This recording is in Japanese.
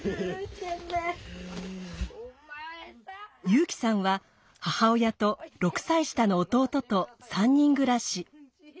優輝さんは母親と６歳下の弟と３人暮らし。